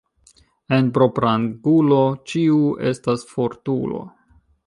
En propra angulo ĉiu estas fortulo.